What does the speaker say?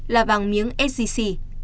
là vàng miếng sgc